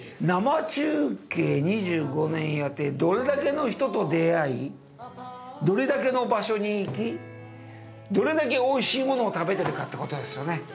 生中継、２５年やってどれだけの人と出会いどれだけの場所に行きどれだけおいしいものを食べたか。